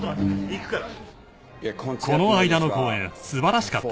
行くから。